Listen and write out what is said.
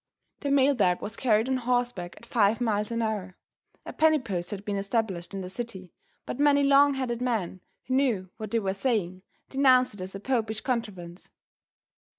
The mail bag was carried on horseback at five miles an hour. A penny post had been established in the city, but many long headed men, who knew what they were saying, denounced it as a popish contrivance.